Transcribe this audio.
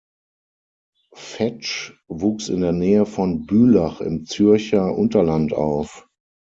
Vetsch wuchs in der Nähe von Bülach im Zürcher Unterland auf.